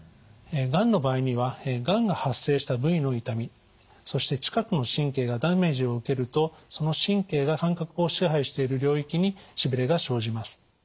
がんの場合にはがんが発生した部位の痛みそして近くの神経がダメージを受けるとその神経が感覚を支配している領域にしびれが生じます。